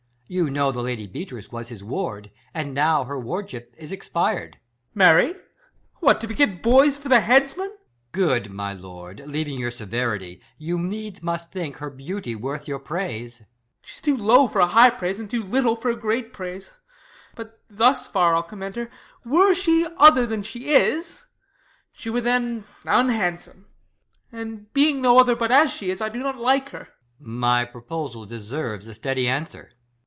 You know the lady Beatrice was his ward ; And now her \ wardship is expir'd. Ben. Marry? What to beget boys for the headsman ] EscH. Good, my lord, leaving your severity, You needs must think her beauty worth your praise. Ben. She's too low for a high praise, and too little For a great praise ; but thus far I'll commend her; Were she other than she i.s, she were then Unhandsome, and, being no other but As she is, I do not like her. EsCH. My proposal deserves a steady answer.